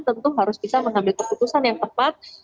tentu harus bisa mengambil keputusan yang tepat